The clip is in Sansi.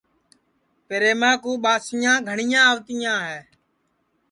پریماں کُو ٻاسیاں گھٹؔیاں آوتیاں ہے